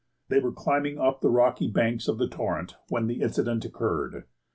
They were climbing up the rocky banks of the torrent when the incident occurred.